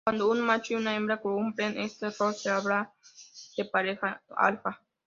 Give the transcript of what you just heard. Cuando un macho y una hembra cumplen este rol se hablaba de pareja alfa.